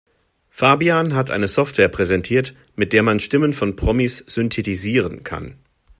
Fabian hat eine Software präsentiert, mit der man Stimmen von Promis synthetisieren kann.